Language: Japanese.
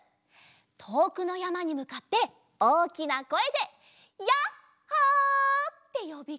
とおくのやまにむかっておおきなこえで「ヤッホー！」ってよびかけると。